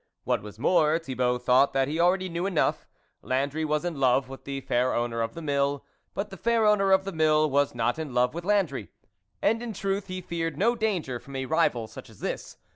What was more, Thibault thought that he already knew enough; Landry was in love with the fair owner of the Mill, but the fair owner of the Mill was not in love with Landry. And, in truth, he feared no danger from a rival such as this.